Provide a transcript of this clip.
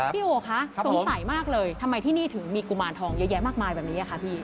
โอคะสงสัยมากเลยทำไมที่นี่ถึงมีกุมารทองเยอะแยะมากมายแบบนี้ค่ะพี่